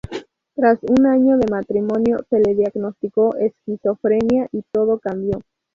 Tras un año de matrimonio se le diagnosticó esquizofrenia y todo cambió.